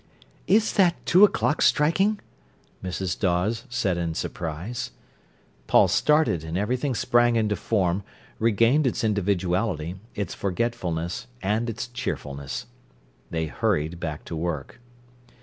"Is that two o'clock striking?" Mrs. Dawes said in surprise. Paul started, and everything sprang into form, regained its individuality, its forgetfulness, and its cheerfulness. They hurried back to work.